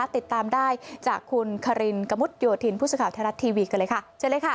ติดตามได้จากคุณคารินกมุทย์โยธินพุทธสุขาวธนรัฐทีวีกันเลยค่ะเชิญเลยค่ะ